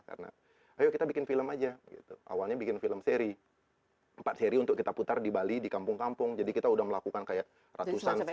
karena ayo kita bikin film aja awalnya bikin film seri empat seri untuk kita putar di bali di kampung kampung jadi kita sudah melakukan kayak ratusan screening